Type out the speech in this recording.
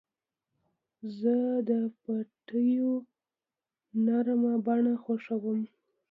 زه د پټیو نرمه بڼه خوښوم.